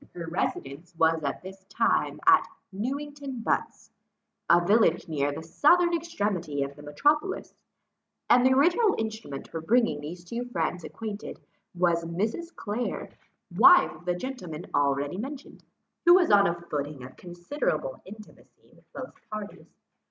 Her residence was at that time at Newington Butts, a village near the southern extremity of the metropolis; and the original instrument for bringing these two friends acquainted, was Mrs. Clare, wife of the gentleman already mentioned, who was on a footing of considerable intimacy with both parties.